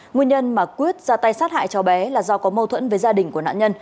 nguyên nhân mà quyết ra tay sát hại cháu bé là do có mâu thuẫn với gia đình của nạn nhân